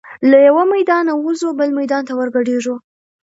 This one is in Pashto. له یوه میدانه وزو بل میدان ته ور ګډیږو